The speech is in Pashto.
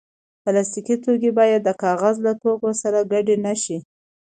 پلاستيکي توکي باید د کاغذ له توکو سره ګډ نه شي.